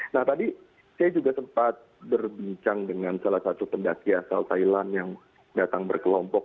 nah tadi saya juga sempat berbincang dengan salah satu pendaki asal thailand yang datang berkelompok